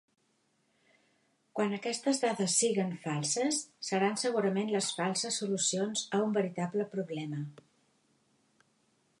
Quan aquestes dades siguen falses, seran segurament les falses solucions a un veritable problema.